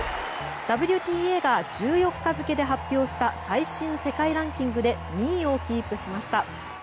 ＷＴＡが１４日付で発表した最新世界ランキングで２位をキープしました。